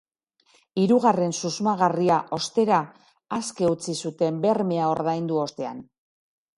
Hirugarren susmagarria, ostera, aske utzi zuten bermea ordaindu ostean.